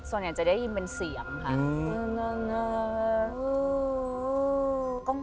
ส่วนใหญ่จะได้ยินเป็นเสียงค่ะ